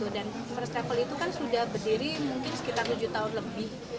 dan first travel itu kan sudah berdiri mungkin sekitar tujuh tahun lebih